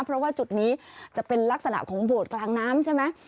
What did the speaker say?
เพราะว่าจุดนี้จะเป็นลักษณะของโบสถ์กลางน้ำใช่ไหม